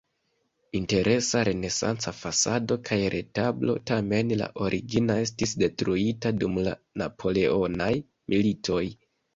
Interesa renesanca fasado kaj retablo, tamen la origina estis detruita dum la napoleonaj militoj.